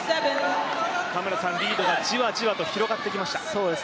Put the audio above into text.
リードがじわじわと広がってきました。